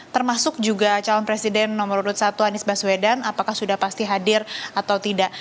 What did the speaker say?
termasuk juga calon presiden nomor urut satu anies baswedan apakah sudah pasti hadir atau tidak